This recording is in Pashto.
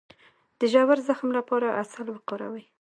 د ژور زخم لپاره عسل وکاروئ